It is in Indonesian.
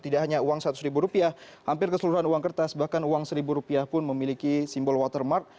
tidak hanya uang rp seratus hampir keseluruhan uang kertas bahkan uang rp satu pun memiliki simbol watermark